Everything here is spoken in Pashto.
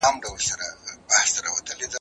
سفر وکړه!!